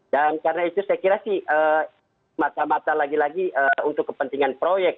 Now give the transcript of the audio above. dan karena itu saya kira sih mata mata lagi lagi untuk kepentingan proyek